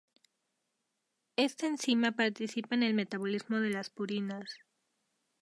Esta enzima participa en el metabolismo de las purinas.